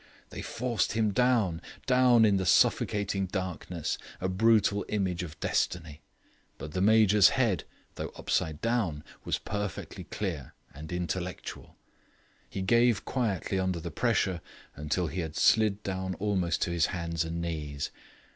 They forced him down, down in the suffocating darkness, a brutal image of destiny. But the Major's head, though upside down, was perfectly clear and intellectual. He gave quietly under the pressure until he had slid down almost to his hands and knees.